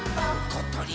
ことり！